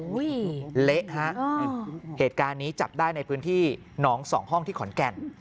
เละฮะเหตุการณ์นี้จับได้ในพื้นที่หนองสองห้องที่ขอนแก่น